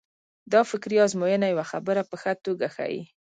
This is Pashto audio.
دا فکري ازموینه یوه خبره په ښه توګه ښيي.